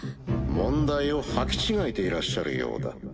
問題を履き違えていらっしゃるようだ。